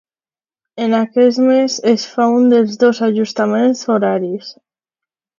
En aquest mes es fa un dels dos ajustaments horaris.